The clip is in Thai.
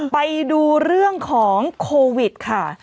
ไปดูเรื่องของโควิดค่ะ